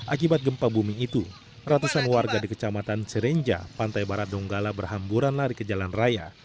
akibat gempa bumi itu ratusan warga di kecamatan cirenja pantai barat donggala berhamburan lari ke jalan raya